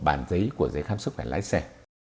bàn giấy của giấy khám sức khỏe lái xe